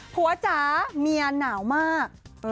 จ๋าเมียหนาวมาก